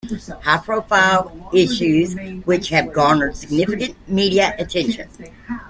High-profile issues which have garnered significant media attention.